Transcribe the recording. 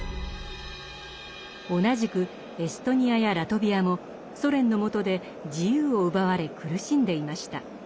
同じくエストニアやラトビアもソ連の下で自由を奪われ苦しんでいました。